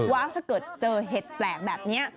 ว่าถ้าเกิดเจอเห็ดแปลกแบบนี้